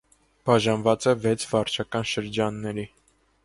Բաժանված է վեց վարչական շրջանների։